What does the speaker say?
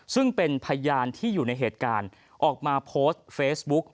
ซึ่งเป็นพยานที่อยู่ในเหตุการณ์ออกมาโพสต์เฟซบุ๊ก